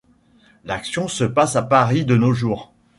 L'action se passe à Paris de nos jours.